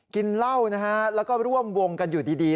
กินเหล้านะฮะแล้วก็ร่วมวงกันอยู่ดี